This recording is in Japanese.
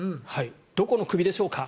どこの首でしょうか。